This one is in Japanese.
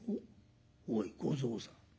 おい小僧さん